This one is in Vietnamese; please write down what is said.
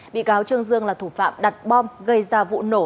bị cáo trương dương là thủ phạm đặt bom gây ra vụ nổ